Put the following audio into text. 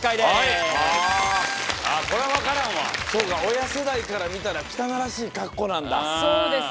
親世代から見たら汚らしい格好なんだ。